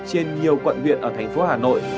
trên nhiều quận viện ở thành phố hà nội